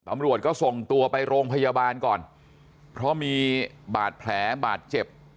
ตำรวจก็ส่งตัวไปโรงพยาบาลก่อนเพราะมีบาดแผลบาดเจ็บ